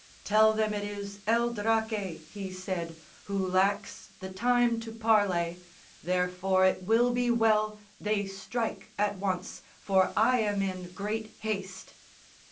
"Tell them it is El Draque," he said, "who lacks The time to parley; therefore it will be well They strike at once, for I am in great haste."